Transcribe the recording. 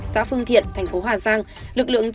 xã phương thiện tp hcm